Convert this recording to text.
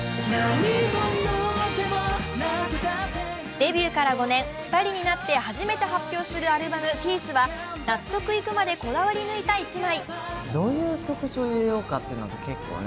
デビューから５年、２人になって初めて発表するアルバム「ピース」は納得いくまでこだわり抜いた１枚。